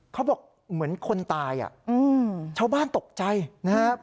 เขาบอกเหมือนคนตายชาวบ้านตกใจนะครับ